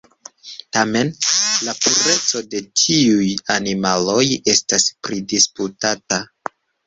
Tamen, la pureco de tiuj animaloj estas pridisputata.